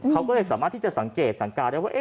เขาก็เลยสามารถที่จะสังเกตสังการได้ว่า